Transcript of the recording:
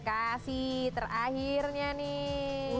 tinggal kasih terakhirnya nih